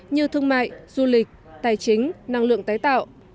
như thương mại du lịch tài chính năng lượng tái tạo